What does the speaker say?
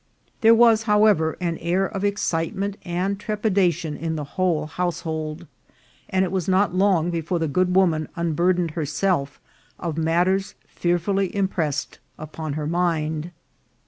There was, however, an air of excitement and trepidation in the whole house hold, and it was not long before the good woman un burdened herself of matters fearfully impressed upon her mind.